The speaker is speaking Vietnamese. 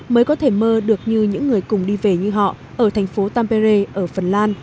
mới có thể mơ được như những người cùng đi về như họ ở thành phố tamperre ở phần lan